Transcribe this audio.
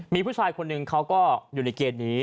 มีผู้ชายคนหนึ่งเขาก็อยู่ในเกณฑ์นี้